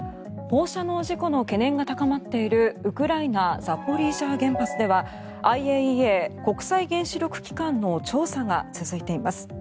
放射能事故の懸念が高まっているウクライナザポリージャ原発ではＩＡＥＡ・国際原子力機関の調査が続いています。